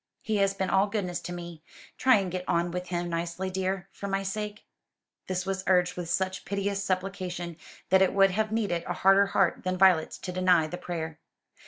He has been all goodness to me. Try and get on with him nicely, dear, for my sake." This was urged with such piteous supplication, that it would have needed a harder heart than Violet's to deny the prayer.